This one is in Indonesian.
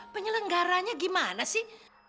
penyelenggaranya gimana sih